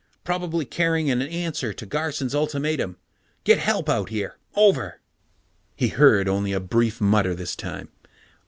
Probably carrying an answer to Garson's ultimatum. Get help out here. Over." He heard only a brief mutter this time.